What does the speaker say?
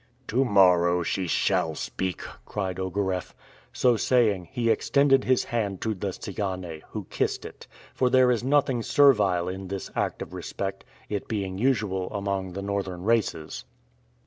"To morrow she shall speak!" cried Ogareff. So saying, he extended his hand to the Tsigane, who kissed it; for there is nothing servile in this act of respect, it being usual among the Northern races.